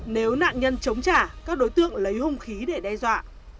nếu nạn nhân chống trả các đối tượng lấy hung khí để đe dọa